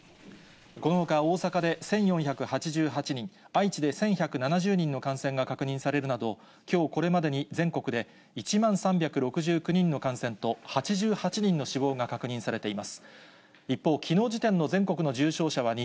このほか、大阪で１４８８人、愛知で１１７０人の感染が確認されるなど、きょうこれまでに全国で１万３６９人の感染と、８８人の死亡が確認されています。